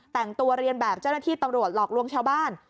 แต่งตัวเรียนแบบเจ้าหน้าที่ตำรวจหลอกลวงชาวบ้าน